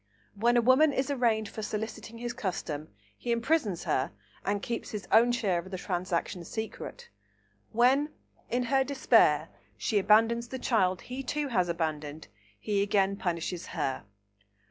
When a woman is arraigned for soliciting his custom, he imprisons her, and keeps his own share of the transaction secret. When, in her despair, she abandons the child he too has abandoned, he again punishes her.